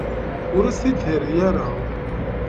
Ur as-d-terri ara.